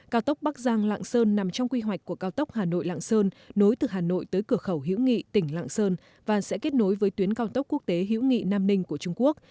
cao tốc bắc giang lạng sơn nằm trong quy hoạch của cao tốc hà nội lạng sơn nối từ hà nội tới cửa khẩu hiễu nghị tỉnh lạng sơn và sẽ kết nối với tuyến cao tốc quốc tế hữu nghị nam ninh của trung quốc